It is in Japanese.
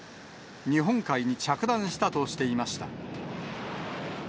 日本海に着弾したとしていました。